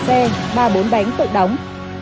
ba xe ba bánh tự đóng